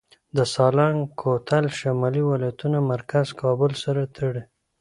د سالنګ کوتل شمالي ولایتونه مرکز کابل سره تړي